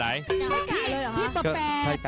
เฮยกตำบล